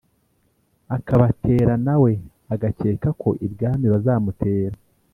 akabatera na we agakeka ko ibwami bazamutera;